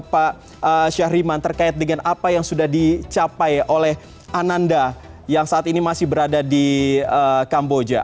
saya ingin tanya tentang pertanyaan ke pak syahriman terkait dengan apa yang sudah dicapai oleh ananda yang saat ini masih berada di kamboja